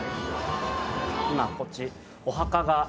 今こっちお墓が。